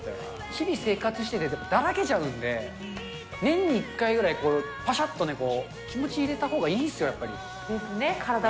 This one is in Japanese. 日々生活してて、だらけちゃうんで、年に１回ぐらい、こういうぱしゃっとね、気持ち入れたほうがいいですよ、やっぱり。ですね。